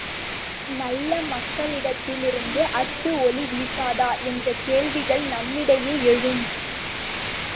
நல்ல மக்களிடத்திலிருந்து அஃது ஒளி வீசாதா? என்ற கேள்விகள் நம்மிடையே எழும்.